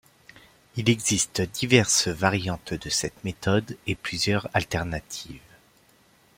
Il existe diverses variantes de cette méthode, et plusieurs alternatives.